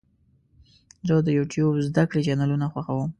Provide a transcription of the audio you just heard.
زه د یوټیوب زده کړې چینلونه خوښوم.